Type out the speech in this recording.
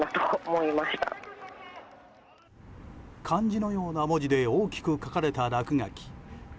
漢字のような文字で大きく書かれた落書き。